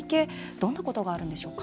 どんなことがあるんでしょうか？